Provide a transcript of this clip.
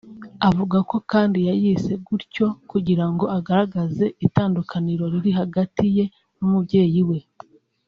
avuga ko kandi yayise gutyo kugira ngo agaragaze itandukaniro riri hagati ye n’umubyeyi we